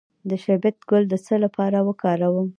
د شبت ګل د څه لپاره وکاروم؟